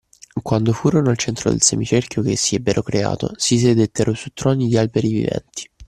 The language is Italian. Quando furono al centro del semicerchio che essi ebbero creato, si sedettero su troni di alberi viventi